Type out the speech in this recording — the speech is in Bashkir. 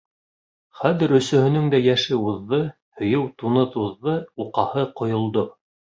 Хәҙер өсөһөнөң дә йәше уҙҙы, һөйөү туны туҙҙы, уҡаһы ҡойолдо.